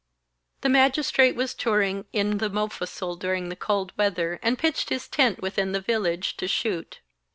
IV The Magistrate was touring in the Mofussil during the cold weather and pitched his tent within the village to shoot.